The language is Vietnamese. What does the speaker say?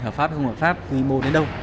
hợp pháp không hợp pháp quy mô đến đâu